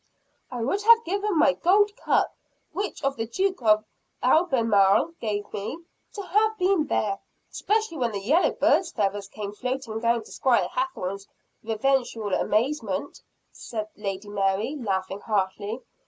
"I would have given my gold cup which the Duke of Albemarle gave me to have been there; especially when the yellow bird's feathers came floating down to Squire Hathorne's reverential amazement," said Lady Mary, laughing heartily.